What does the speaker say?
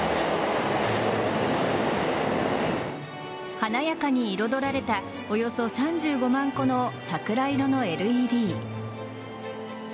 華やかに彩られたおよそ３５万個の桜色のＬＥＤ。